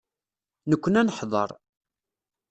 Nekkni ad neḥḍer.